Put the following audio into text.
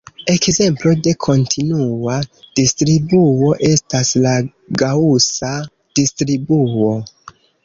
Ekzemplo de kontinua distribuo estas la Gaŭsa distribuo.